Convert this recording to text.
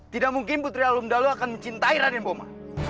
tidak mungkin putri arum dalu akan mencintai raden boma